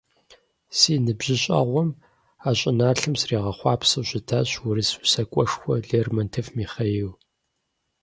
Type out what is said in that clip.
Си ныбжьыщӀэгъуэм а щӀыналъэм сригъэхъуэпсауэ щытащ урыс усакӀуэшхуэ Лермонтов Михаил.